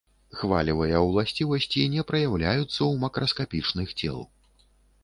Хвалевыя ўласцівасці не праяўляюцца ў макраскапічных цел.